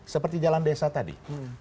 seperti jalan desa tadi